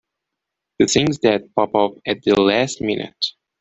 The things that pop up at the last minute!